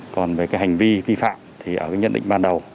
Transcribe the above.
còn về cái hành vi vi phạm thì ở cái nhận định ban đầu